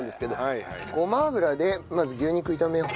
ごま油でまず牛肉炒めよう。